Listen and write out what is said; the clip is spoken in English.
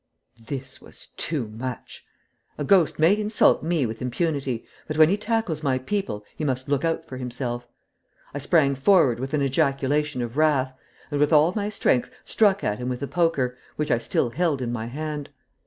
This was too much. A ghost may insult me with impunity, but when he tackles my people he must look out for himself. I sprang forward with an ejaculation of wrath, and with all my strength struck at him with the poker, which I still held in my hand.